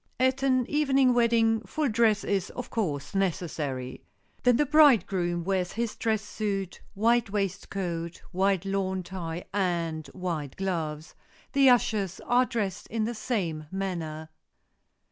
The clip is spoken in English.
At an evening wedding full dress is, of course, necessary. Then the bridegroom wears his dress suit, white waistcoat, white lawn tie and white gloves. The ushers are dressed in the same manner.